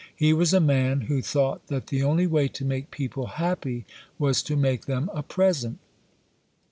He was a man who thought that the only way to make people happy was to make them a present.